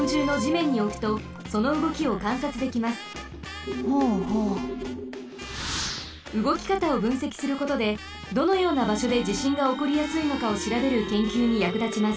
うごきかたをぶんせきすることでどのようなばしょでじしんがおこりやすいのかをしらべるけんきゅうにやくだちます。